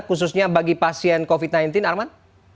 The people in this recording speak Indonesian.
khususnya bagi pasien covid sembilan belas arman